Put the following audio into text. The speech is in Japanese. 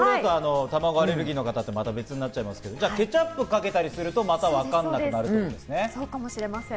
卵アレルギーの方は別になっちゃいますけど、ケチャップをかけたりすると、またわからなくなりますよね。